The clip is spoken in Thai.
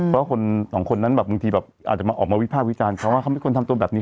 เพราะคนสองคนนั้นแบบบางทีแบบอาจจะมาออกมาวิภาควิจารณ์เขาว่าเขาไม่ควรทำตัวแบบนี้